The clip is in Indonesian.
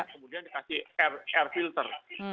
kemudian dikasih air filter